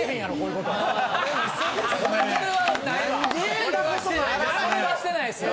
これはしてないですよ。